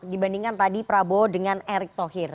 dibandingkan tadi prabowo dengan erick thohir